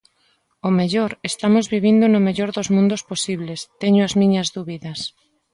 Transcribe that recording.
Ao mellor, estamos vivindo no mellor dos mundos posibles; teño as miñas dúbidas.